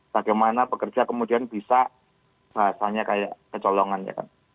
bagaimana pekerja kemudian bisa bahasanya kayak kecolongannya